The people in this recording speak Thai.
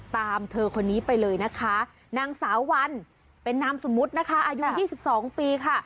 เธอคนนี้ไปเลยนะคะนางสาววันเป็นนามสมมุตินะคะอายุ๒๒ปีค่ะ